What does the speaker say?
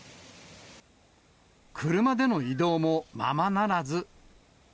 車での移動もままならず。